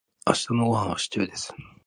明日のごはんはシチューです。